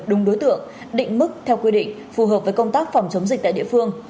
đúng đối tượng định mức theo quy định phù hợp với công tác phòng chống dịch tại địa phương